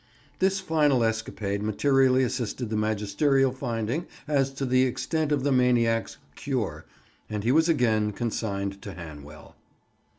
This final escapade materially assisted the magisterial finding as to the extent of the maniac's "cure," and he was again consigned to Hanwell.